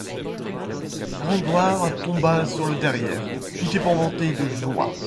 Gringoire tomba sur le derrière, tout épouvanté de joie.